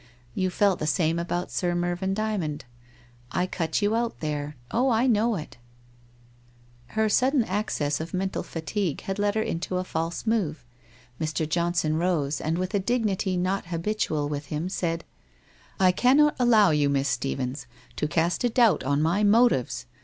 You felt the same about Sir Mervyn Dymond. I cut you out there. Oh, I know it !' WHITE ROSE OF WEARY LEAF 145 Her sudden access of mental fatigue had led her into a false move. Mr. Johnson rose, and with a dignity not habitual with him, said :' I cannot allow you, Miss Stephens, to cast a doubt on my motives.